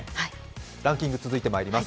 ランキング続いてまいります。